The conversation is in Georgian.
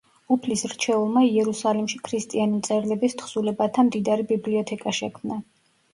უფლის რჩეულმა იერუსალიმში ქრისტიანი მწერლების თხზულებათა მდიდარი ბიბლიოთეკა შექმნა.